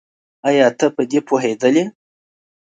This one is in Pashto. ايا ته په دې پوهېدلې؟